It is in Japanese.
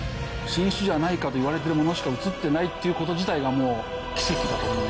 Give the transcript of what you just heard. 新種じゃないかといわれてるものしか映ってないってこと自体が。